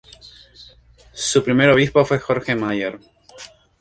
Su primer obispo fue Jorge Mayer.